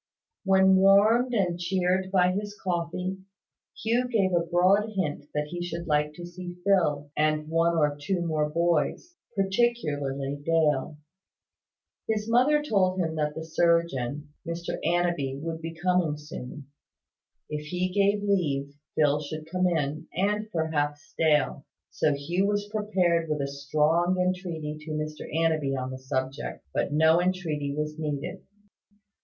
When warmed and cheered by his coffee, Hugh gave a broad hint that he should like to see Phil, and one or two more boys particularly Dale. His mother told him that the surgeon, Mr Annanby, would be coming soon. If he gave leave, Phil should come in, and perhaps Dale. So Hugh was prepared with a strong entreaty to Mr Annanby on the subject; but no entreaty was needed.